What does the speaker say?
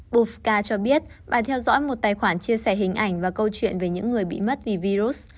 bofka cho biết bà theo dõi một tài khoản chia sẻ hình ảnh và câu chuyện về những người bị mất vì virus